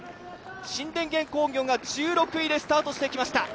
新電元工業が１６位でスタートしていきました。